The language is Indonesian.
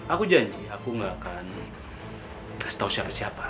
aku janji aku gak akan kasih tahu siapa siapa